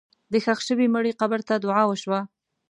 د ښخ شوي مړي قبر ته دعا وشوه.